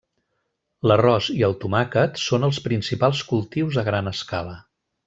L'arròs i el tomàquet són els principals cultius a gran escala.